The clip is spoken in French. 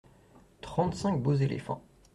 Trente-cinq beaux éléphants.